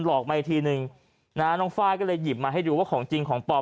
อกมาอีกทีนึงนะน้องไฟล์ก็เลยหยิบมาให้ดูว่าของจริงของปลอม